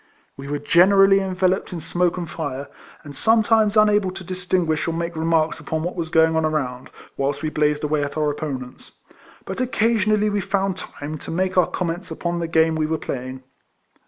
We were generally enveloped in smoke and fire, and sometimes unable to distinguish or make remarks upon what was going on around, whilst we blazed away at our opponents; but occasionally we found time to make our comments upon the game we were playing.